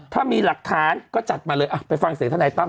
ถ้ามีหลักฐานก็จัดมาเลยไปฟังเสียงทนายตั้ม